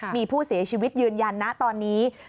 มีผู้เสียชีวิตยืนยันนะตอนนี้